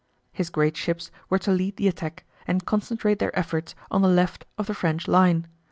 His great ships were to lead the attack, and concentrate their efforts on the left of the French line.